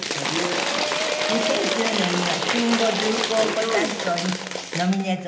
２０１０年には新語・流行語大賞にノミネートされて。